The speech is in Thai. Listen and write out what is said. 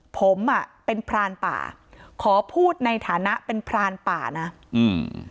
ผมอ่ะเป็นพรานป่าขอพูดในฐานะเป็นพรานป่านะอืม